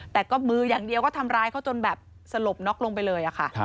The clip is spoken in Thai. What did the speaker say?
แต่ก็มืออย่างเดียวก็ทำร้ายเขาจนแบบสลบน็อกลงไปเลยค่ะ